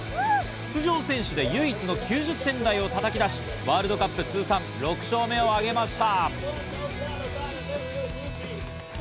出場選手で唯一の９０点台をたたき出し、ワールドカップ通算６勝目をあげました。